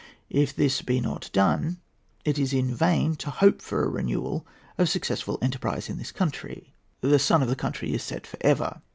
If this be not done, it is in vain to hope for a renewal of successful enterprise in this country: the sun of the country is set for ever.